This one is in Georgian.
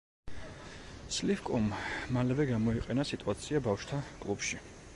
სლივკომ მალევე გამოიყენა სიტუაცია ბავშვთა კლუბში.